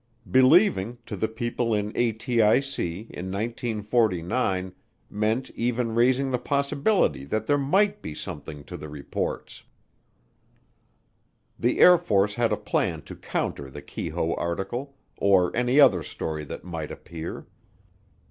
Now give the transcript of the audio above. Believing, to the people in ATIC in 1949, meant even raising the possibility that there might be something to the reports. The Air Force had a plan to counter the Keyhoe article, or any other story that might appear.